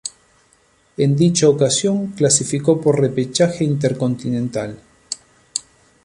En dicha ocasión clasificó por repechaje intercontinental.